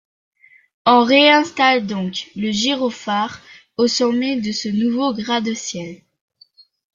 On réinstalle donc le gyrophare au sommet de ce nouveau gratte-ciel.